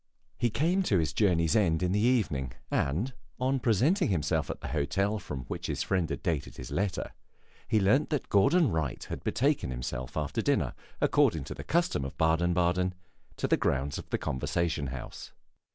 He came to his journey's end in the evening, and, on presenting himself at the hotel from which his friend had dated his letter, he learned that Gordon Wright had betaken himself after dinner, according to the custom of Baden Baden, to the grounds of the Conversation house.